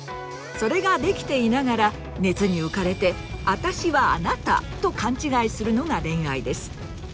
それができていながら熱に浮かれて“あたしはあなた”と勘違いするのが恋愛です。